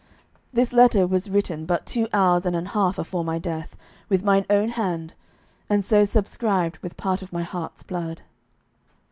This letter was written but two hours and an half afore my death, with mine own hand, and so subscribed with part of my heart's blood."